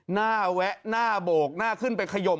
แวะหน้าโบกหน้าขึ้นไปขยม